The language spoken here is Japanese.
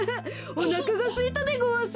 おなかがすいたでごわす。